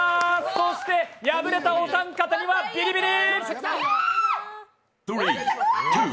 そして敗れたお三方にはビリビリ。